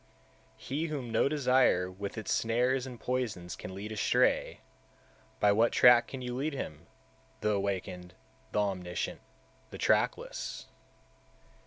180. He whom no desire with its snares and poisons can lead astray, by what track can you lead him, the Awakened, the Omniscient, the trackless?